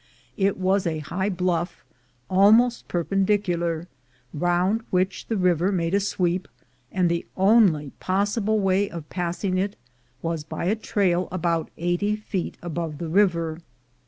It was a high bluff, almost perpendicular, round which the river made a sweep, and the only possible, way of passing it was by a trail about eighty feet above the river.